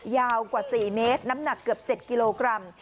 ยาวกว่า๔เมตรน้ำหนักเกือบ๗กิโลกรัม